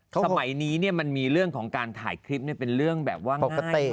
สมัยนี้มันมีเรื่องของการถ่ายคลิปเป็นเรื่องแบบว่าปกติ